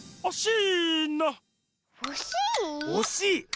おしい？